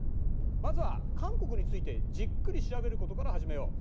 まずは韓国についてじっくり調べることから始めよう。